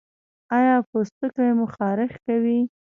ایا پوستکی مو خارښ کوي؟